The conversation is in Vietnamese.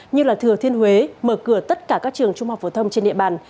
như thừa thiên huế mở cửa tất cả các trường trung học phổ thông trên địa bàn